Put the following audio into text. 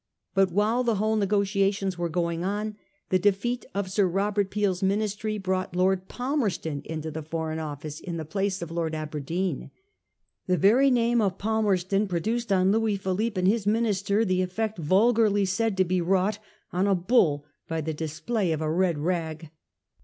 But while the whole negotiations were going on, the defeat of Sir Robert Peel's Minis try brought Lord Palmerston into the Foreign Office in place of Lord Aberdeen. The very name of Palmer ston produced on Louis Philippe and his minis ter the effect vulgarly said to be wrought on a bull by the display of a red rag.